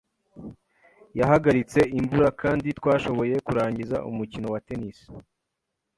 Yahagaritse imvura kandi twashoboye kurangiza umukino wa tennis.